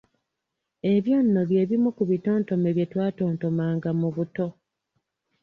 Ebyo nno bye bimu ku bitontome bye twatontomanga mu buto.